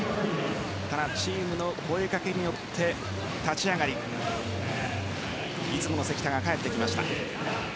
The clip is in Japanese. ただ、チームの声かけによって立ち上がりいつもの関田が帰ってきました。